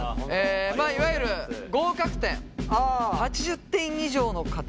いわゆる合格点８０点以上の方。